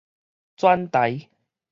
轉臺